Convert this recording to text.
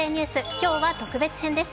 今日は特別編です。